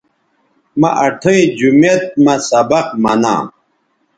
مہ اٹھئیں جومیت مہ سبق منا